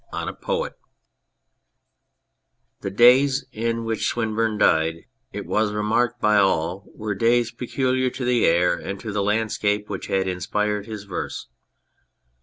53 ON A POET THE days in which Swinburne died, it was remarked by all, were days peculiar to the air and to the landscape which had inspired his verse.